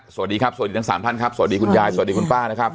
สวัสดีครับสวัสดีทั้งสามท่านครับสวัสดีคุณยายสวัสดีคุณป้านะครับ